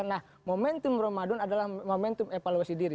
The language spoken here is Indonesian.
nah momentum ramadan adalah momentum evaluasi diri